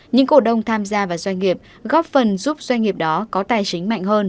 những cổ đông tham gia vào doanh nghiệp góp phần giúp doanh nghiệp đó có tài chính mạnh hơn